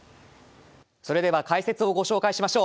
それでは解説をご紹介しましょう。